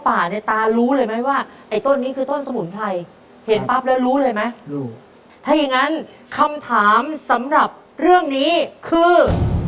ถ้าอย่างงั้นคำถามสำหรับเรื่องนี้คือ